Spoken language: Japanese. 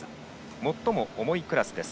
最も重いクラスです。